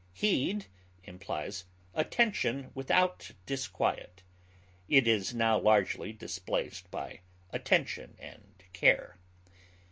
Heed implies attention without disquiet; it is now largely displaced by attention and care.